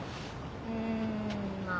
うんまあ。